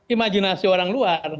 imajinasi orang luar